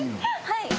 はい。